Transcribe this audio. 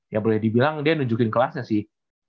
ya boleh dibilang dia nunjukin kelasnya sih